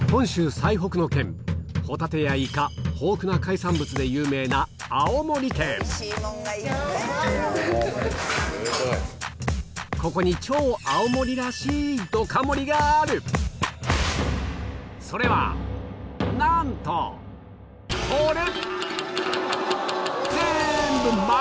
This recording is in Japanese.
衝撃のホタテやイカ豊富な海産物で有名なここに超青森らしいどか盛りがあるそれはなんとこれ！